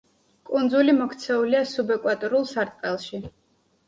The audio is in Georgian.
კუნძული მოქცეულია სუბეკვატორულ სარტყელში.